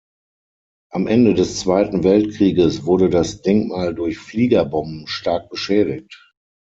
Am Ende des Zweiten Weltkrieges wurde das Denkmal durch Fliegerbomben stark beschädigt.